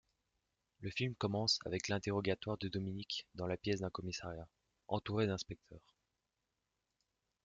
Le film commence avec l'interrogatoire de Dominique dans la pièce d'un commissariat, entourée d'inspecteurs.